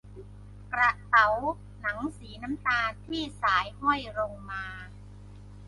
กระเป๋าหนังสีน้ำตาลที่สายห้อยลงมา